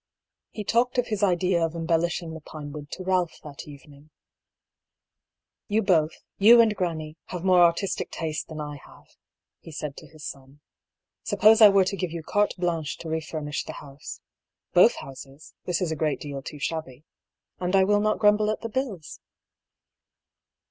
He talked of his idea of embellishing the Pinewood to Balph that evening. " You both, you and granny, have more artistic taste than I have," he said to his son. " Suppose I were to give you carte blanche to refurnish the house — both houses, this is a great deal too shabby — and I will not grumble at the bills